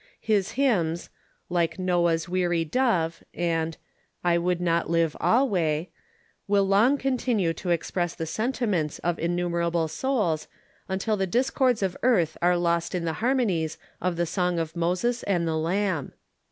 His bymns, " Like Noah's weary dove," . and " I would not live ahvaj'," will long continue to express tbe sentiments of innumerable souls until tbe discords of eartb are lost in tbe barmonies of tbe Song of Moses and tbe Lamb.